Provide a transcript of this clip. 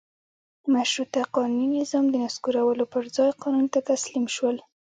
مشروطه قانوني نظام د نسکورولو پر ځای قانون ته تسلیم شول.